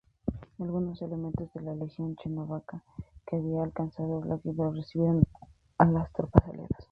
Algunos elementos de la Legión Checoslovaca que habían alcanzado Vladivostok, recibieron alas tropas aliadas.